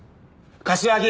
柏木！